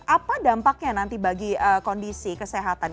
apa dampaknya nanti bagi kondisi kesehatan